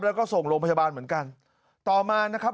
แล้วก็ส่งโรงพยาบาลเหมือนกันต่อมานะครับ